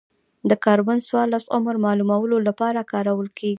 د کاربن څورلس عمر معلومولو لپاره کارول کېږي.